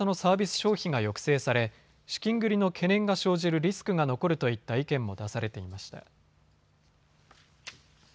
消費が抑制され資金繰りの懸念が生じるリスクが残るといった意見も出されていました。